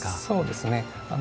そうですね